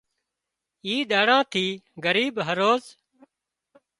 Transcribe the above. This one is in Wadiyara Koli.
اي ۮاڙا ٿِي ڳريب هروز